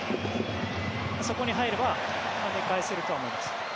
そこに入れば跳ね返せるとは思います。